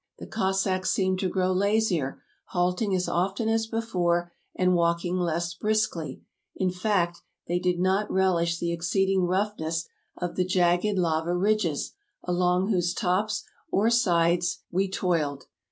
The Cossacks seemed to grow lazier, halting as often as before and walk ing less briskly; in fact, they did not relish the exceeding vol. vi. — 19 276 TRAVELERS AND EXPLORERS roughness of the jagged lava ridges along whose tops or sides we toiled.